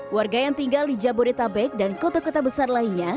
warga yang tinggal di jabodetabek dan kota kota besar lainnya